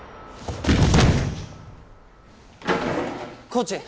コーチ！